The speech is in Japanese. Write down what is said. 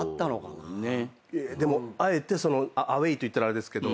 でもあえてアウェイといったらあれですけど。